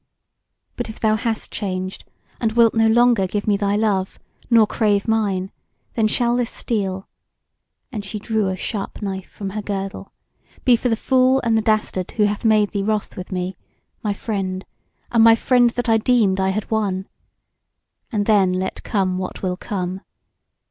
But if thou hast changed, and wilt no longer give me thy love, nor crave mine, then shall this steel" (and she drew a sharp knife from her girdle) "be for the fool and the dastard who hath made thee wroth with me, my friend, and my friend that I deemed I had won. And then let come what will come!